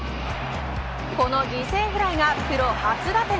この犠牲フライがプロ初打点。